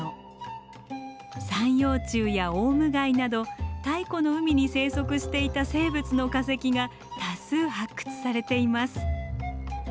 三葉虫やオウム貝など太古の海に生息していた生物の化石が多数発掘されています。